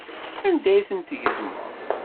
Anda ay ten-tgezmeḍ?